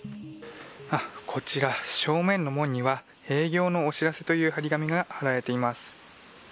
こちら正面の門には閉業のお知らせという貼り紙が貼られています。